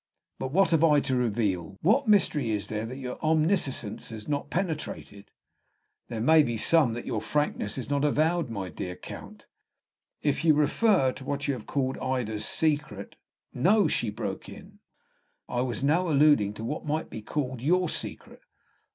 "But what have I to reveal; what mystery is there that your omniscience has not penetrated?" "There may be some that your frankness has not avowed, my dear Count." "If you refer to what you have called Ida's secret " "No," broke she in. "I was now alluding to what might be called your secret."